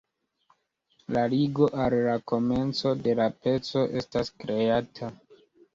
La ligo al la komenco de la peco estas kreata.